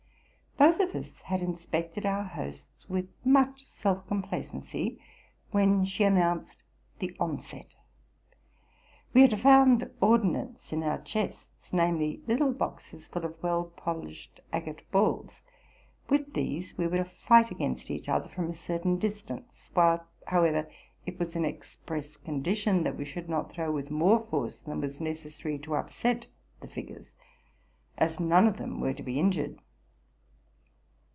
Both of us had inspected our hosts with much self compla cency, when she announced the onset. We had found ord nance in our chests; viz., little boxes full of well polished agate balls. With these we were to fight against each other from a certain distance ; while, however, it was an express condition that we should not throw with more force than was hecessary to upset the figures, as none of them were to be injured.